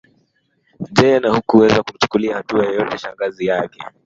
Jane hakuweza kumchukulia hatua yoyote shangazi yake